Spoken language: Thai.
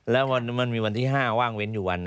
แล้วมันมีวันที่๕ว่างเว้นอยู่วันหนึ่ง